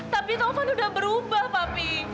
tapi taufan sudah berubah papi